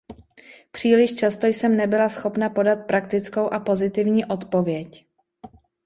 Příliš často jsem nebyla schopna podat praktickou a pozitivní odpověď.